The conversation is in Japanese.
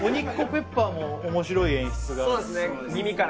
ペッパーも面白い演出がそうですね